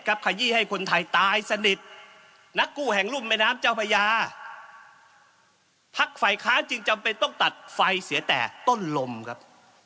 ขยี้ให้คนไทยตายสนิทนักกู้แห่งรุ่มแม่น้ำเจ้าพญาพักฝ่ายค้านจึงจำเป็นต้องตัดไฟเสียแต่ต้นลมครับ